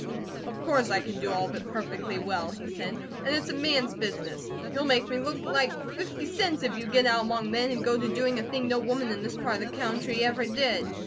"Of course I can do all of it perfectly well," he said. "And it's a MAN'S business. You'll make me look like fifty cents if you get out among men and go to doing a thing no woman in this part of the country ever did.